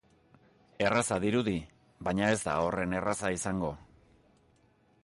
Erraza dirudi, baina ez da horren erraza izango.